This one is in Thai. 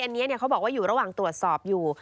อันนี้เขาบอกว่าอยู่ระหว่างตรวจสอบอยู่